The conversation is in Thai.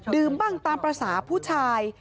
บ้างตามภาษาผู้ชาย